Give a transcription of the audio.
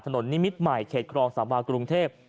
ถนนนิมิตใหม่เขตครองสามารถกรุงเทพ